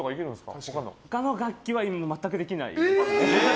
他の楽器は全くできない。